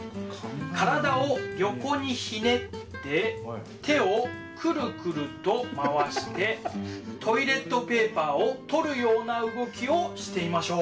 体を横にひねって手をクルクルと回してトイレットペーパーを取るような動きをしてみましょう。